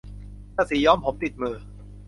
ถ้าสีย้อมผมติดมือ